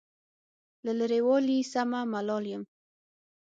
له لرې والي سمه ملال یم.